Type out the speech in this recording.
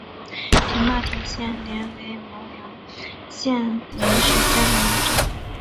平坝铁线莲为毛茛科铁线莲属下的一个种。